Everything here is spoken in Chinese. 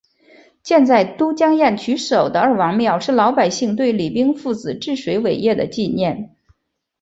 建在都江堰渠首的二王庙是老百姓对李冰父子治水伟业的纪念。